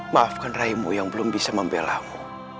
maafkan raimu yang belum bisa membelamu